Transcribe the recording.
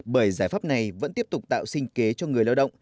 bởi giải pháp này vẫn tiếp tục tạo sinh kế cho người lao động